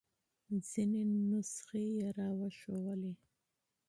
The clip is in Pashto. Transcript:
ځینې نسخې یې را وښودلې.